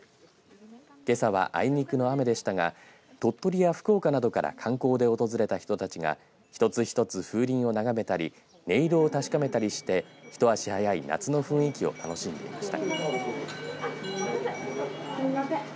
けさはあいにくの雨でしたが鳥取や福岡などから観光で訪れた人たちが一つ一つ風鈴を眺めたり音色を確かめたりして一足早い夏の雰囲気を楽しんでいました。